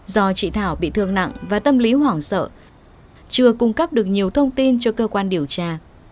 do chị thảo bị thương nặng và tâm lý hoảng sợ chưa cung cấp được nhiều thông tin cho cơ quan điều tra